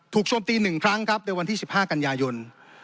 โจมตี๑ครั้งครับในวันที่๑๕กันยายน